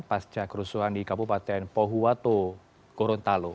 pasca kerusuhan di kabupaten pohuwato gorontalo